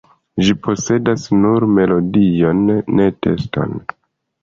Ĝi posedas nur melodion, ne tekston.